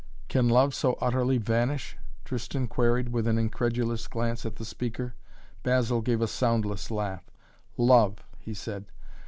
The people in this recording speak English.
"Can love so utterly vanish?" Tristan queried with an incredulous glance at the speaker. Basil gave a soundless laugh. "Love!" he said.